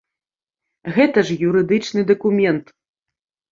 Гэта ж юрыдычны дакумент.